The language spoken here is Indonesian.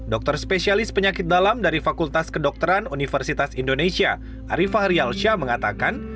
dokter spesialis penyakit dalam dari fakultas kedokteran universitas indonesia arifah rialsyah mengatakan